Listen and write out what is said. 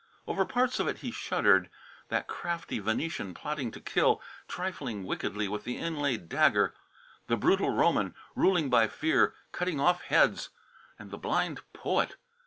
Over parts of it he shuddered. That crafty Venetian plotting to kill, trifling wickedly with the inlaid dagger; the brutal Roman, ruling by fear, cutting off heads! And the blind poet!